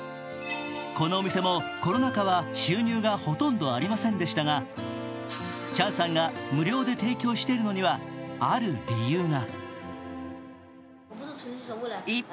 このお店も、コロナ禍は収入がほとんどありませんでしたがチャンさんが無料で提供しているのにはある理由が。